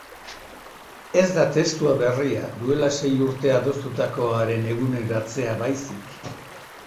Ez da testua berria, duela sei urte adostutakoaren eguneratzea baizik.